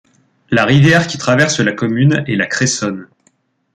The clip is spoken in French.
La rivière qui traverse la commune est la Cressonne.